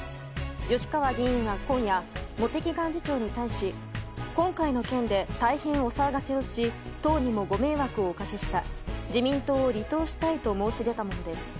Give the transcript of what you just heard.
吉川議員は今夜茂木幹事長に対し今回の件で大変お騒がせをし党にもご迷惑をおかけした自民党を離党したいと申し出たものです。